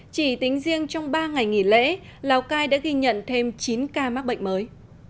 chỉ tính riêng trong ba ngày nghỉ lễ lào cai đã ghi nhận thêm chín ca mắc bệnh mới